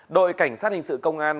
đội cảnh sát hình sự công an